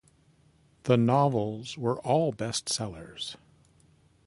The novels were all bestsellers.